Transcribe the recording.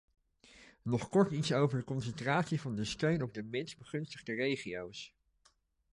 Nog kort iets over de concentratie van de steun op de minst begunstigde regio's.